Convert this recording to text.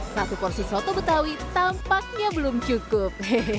satu porsi soto betawi tampaknya belum cukup